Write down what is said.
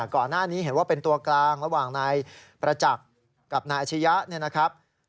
ก่อนหน้านี้เห็นว่าเป็นตัวกลางระหว่างนายประจักษ์กับนายอาชญะเนี่ยนะครับ